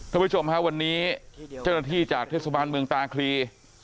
ผู้ชมฮะวันนี้เจ้าหน้าที่จากเทศบาลเมืองตาคลี